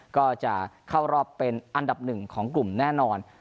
ก็จะเข้ารอบเป็นอันดับหนึ่งของกลุ่มแน่นอน